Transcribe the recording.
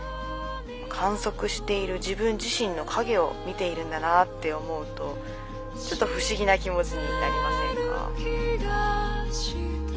観測している自分自身の影を見ているんだなって思うとちょっと不思議な気持ちになりませんか？」。